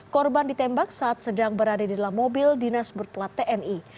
korban ditembak saat sedang berada di dalam mobil dinas berplat tni